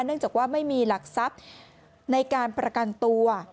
เนื่องจากว่าไม่มีหลักทรัพย์ในการประกันตัว